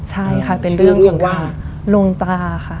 ใช่ค่ะเป็นเรื่องของหลวงตาค่ะ